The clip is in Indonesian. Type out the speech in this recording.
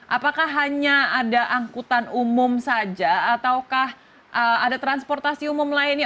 apakah hanya ada angkutan umum saja ataukah ada transportasi umum lainnya